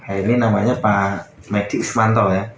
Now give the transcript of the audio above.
ini namanya pak meki ismanto ya